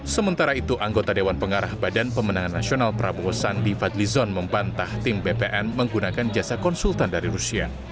sementara itu anggota dewan pengarah badan pemenangan nasional prabowo sandi fadlizon membantah tim bpn menggunakan jasa konsultan dari rusia